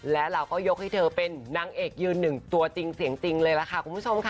และเราก็ยกให้เธอเป็นนางเอกยืนหนึ่งตัวจริงเสียงจริงเลยล่ะค่ะคุณผู้ชมค่ะ